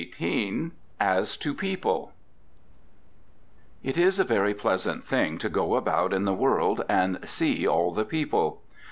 XVIII AS TO PEOPLE It is a very pleasant thing to go about in the world and see all the people.